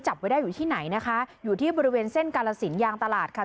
จับไว้ได้อยู่ที่ไหนนะคะอยู่ที่บริเวณเส้นกาลสินยางตลาดค่ะ